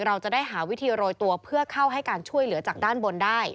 เราจะได้หาวิธีโรยตัวเพื่อเข้าให้การช่วยเหลือจากด้านบนได้